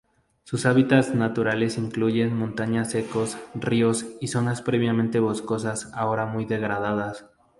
Sus hábitats naturales incluyen montanos secos, ríos y zonas previamente boscosas ahora muy degradadas.